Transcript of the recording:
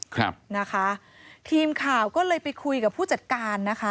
ครับนะคะทีมข่าวก็เลยไปคุยกับผู้จัดการนะคะ